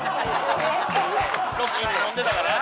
ロッキーが飲んでたから？